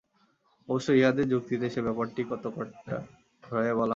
অবশ্য ইহাদের যুক্তিতে সে ব্যাপারটি কতকটা ঘুরাইয়া বলা হইয়াছে।